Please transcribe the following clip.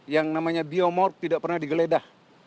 yang namanya biomorp tidak pernah digeledah